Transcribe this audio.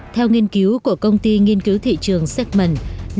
theo nghiên cứu của công ty nghiên cứu thị trường secmond